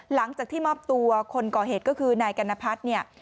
หลังจากที่มอบตัวคนก่อเหตุก็คือนายกัณพัฒน์เนี่ย